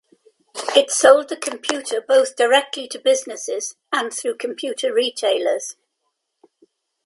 It sold the computer both directly to businesses and through computer retailers.